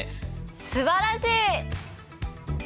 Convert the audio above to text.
すばらしい！